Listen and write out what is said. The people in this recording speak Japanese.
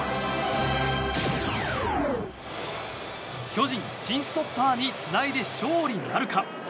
巨人、新ストッパーにつないで勝利なるか。